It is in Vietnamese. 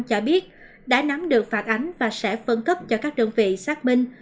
chả biết đã nắm được phạt ánh và sẽ phân cấp cho các đơn vị xác minh